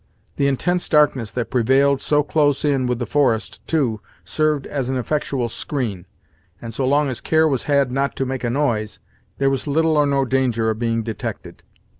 The intense darkness that prevailed so close in with the forest, too, served as an effectual screen, and so long as care was had not to make a noise, there was little or no danger of being detected.